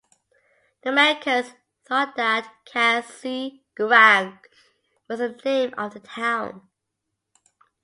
The Americans thought that "Kasi gurang" was the name of the town.